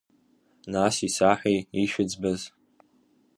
Нас исаҳәеи ишәыӡбаз?